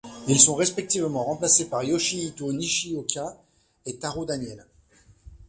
Ils sont respectivement remplacés par Yoshihito Nishioka et Taro Daniel.